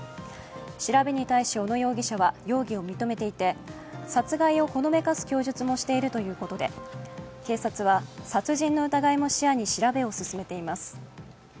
調べに対し、小野容疑者は容疑を認めていて、殺害をほのめかす供述もしているということで警察は殺人の疑いや視野に調べを進めています。